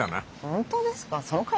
本当ですか？